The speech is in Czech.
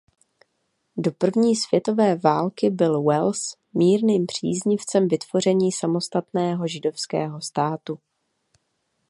Do první světové války byl Wells mírným příznivcem vytvoření samostatného židovského státu.